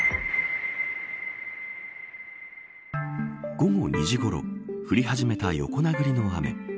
午後２時ごろ降り始めた横殴りの雨。